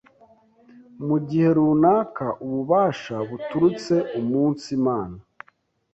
mu gihe runaka ububasha buturutse umunsi Mana